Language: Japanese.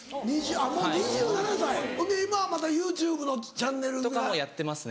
もう２７歳ほんで今またＹｏｕＴｕｂｅのチャンネル。とかもやってますね。